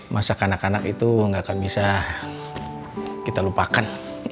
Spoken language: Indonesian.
masa kanak kanak itu nggak akan bisa kita lupakan